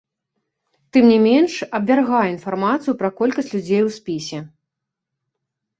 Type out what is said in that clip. Тым не менш абвяргае інфармацыю пра колькасць людзей у спісе.